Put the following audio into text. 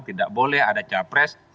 tidak boleh ada capres